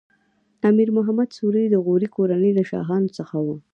امیر محمد سوري د غوري کورنۍ له شاهانو څخه و.